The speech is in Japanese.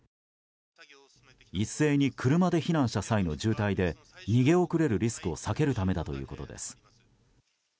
一斉に車で避難した際の渋滞で逃げ遅れるリスクを避けるためだということです。